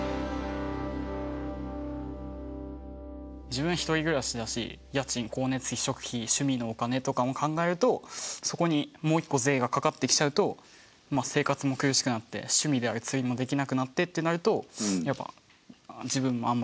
自分１人暮らしだし家賃光熱費食費趣味のお金とかも考えるとそこにもう一個税がかかってきちゃうと生活も苦しくなって趣味である釣りもできなくなってってなるとやっぱ自分もあんまり。